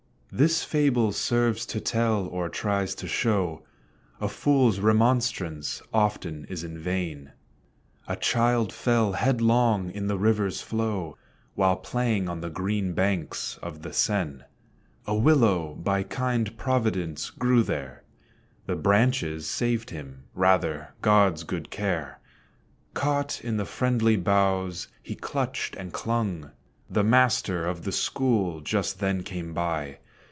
This fable serves to tell, or tries to show A fools remonstrance often is in vain. A child fell headlong in the river's flow, While playing on the green banks of the Seine: A willow, by kind Providence, grew there, The branches saved him (rather, God's good care); Caught in the friendly boughs, he clutched and clung. The master of the school just then came by.